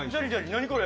何これ？